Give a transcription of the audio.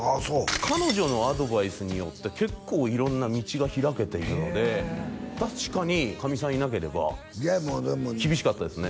彼女のアドバイスによって結構色んな道が開けているので確かにかみさんいなければ厳しかったですね